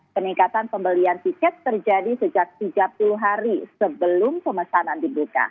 peningkatan pembelian tiket terjadi sejak tiga puluh hari sebelum pemesanan dibuka